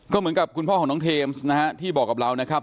ก็เหมือนกับคุณพ่อของน้องเทมส์นะฮะที่บอกกับเรานะครับ